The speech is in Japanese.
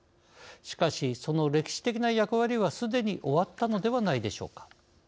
しかしその歴史的な役割は、すでに終わったのではないでしょうか。